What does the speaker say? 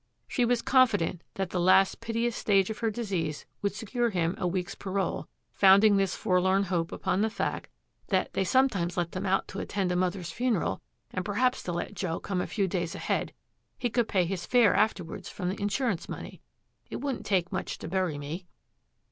She was confident that the last piteous stage of her disease would secure him a week's parole, founding this forlorn hope upon the fact that 'they sometimes let them out to attend a mother's funeral, and perhaps they'd let Joe come a few days ahead; he could pay his fare afterwards from the insurance money. It wouldn't take much to bury me.'